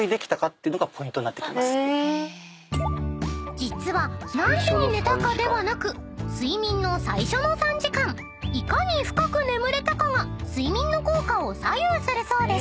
［実は何時に寝たかではなく睡眠の最初の３時間いかに深く眠れたかが睡眠の効果を左右するそうです］